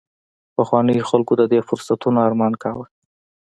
پخوانیو خلکو د دې فرصتونو ارمان کاوه